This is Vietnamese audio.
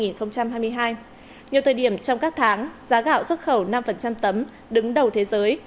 nhiều thời điểm trong các tháng giá gạo xuất khẩu năm tấm đứng đầu thế giới